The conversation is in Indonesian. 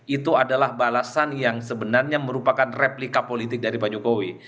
itu adalah balasan yang sebenarnya merupakan replika politik dari pak jokowi